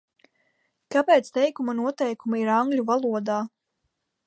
Kāpēc teikuma noteikumi ir angļu valodā?